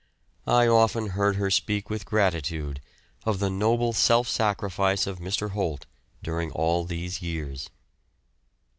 I often heard her speak with gratitude of the noble self sacrifice of Mr. Holt during all these years.